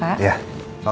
iya selamat makan siang